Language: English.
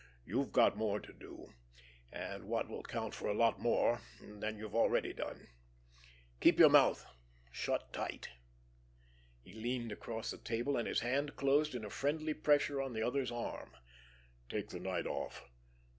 "You've got more to do, and what will count for a lot more than you've already done—keep your mouth shut tight." He leaned across the table, and his hand closed in a friendly pressure on the other's arm. "Take the night off.